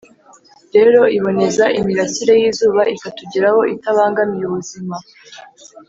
rero, iboneza imirasire y'izuba ikatugeraho itabangamiye ubuzima